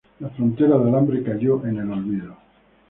La frontera de alambre cayó en el olvido.